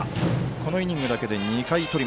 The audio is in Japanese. このイニングだけで２回。